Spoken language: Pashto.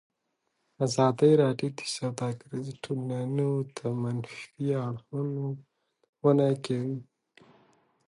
ازادي راډیو د سوداګریز تړونونه د منفي اړخونو یادونه کړې.